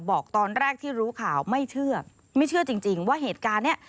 บอกตอนแรกที่รู้ข่าวไม่เชื่อไม่เชื่อจริงจริงว่าเหตุการณ์เนี้ย